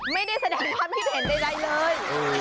ไม่ได้แสดงความที่แทนใดเลย